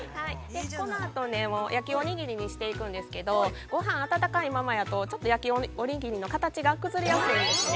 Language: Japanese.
◆このあと、焼きおにぎりにしていくんですけどごはん、温かいままやとちょっと焼きおにぎりの形が崩れやすいんですね。